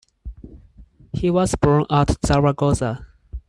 He was born at Zaragoza.